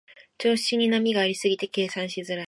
調子に波がありすぎて計算しづらい